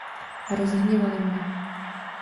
Rozhněvaly mne.